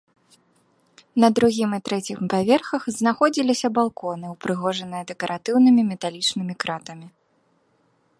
На другім і трэцім паверхах знаходзіліся балконы, упрыгожаныя дэкаратыўнымі металічнымі кратамі.